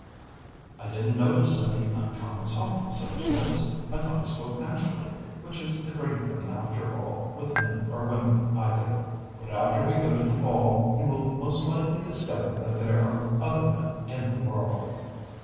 "I didn't notice any uncommon softness of voice. I thought he spoke naturally, which is the great thing after all, with men or women either. But after we go to the ball you will most likely discover that there are other men in the world."